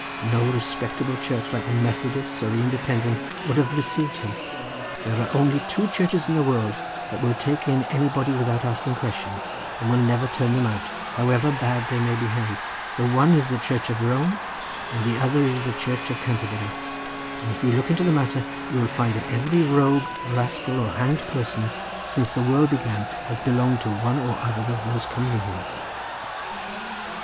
No respectable church like the Methodist or the Independent would have received him. There are only two churches in the world that will take in anybody without asking questions, and will never turn them out however bad they may behave; the one is the Church of Rome, and the other the Church of Canterbury; and if you look into the matter you will find that every rogue, rascal, and hanged person since the world began has belonged to one or other of those communions."